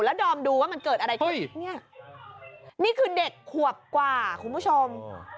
แล้วดอมดูว่ามันเกิดอะไรขึ้นเนี่ยนี่คือเด็กขวบกว่าคุณผู้ชม